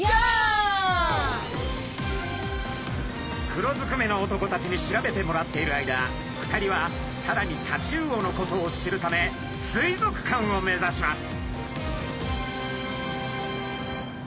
黒ずくめの男たちに調べてもらっている間２人はさらにタチウオのことを知るため水族館を目指します。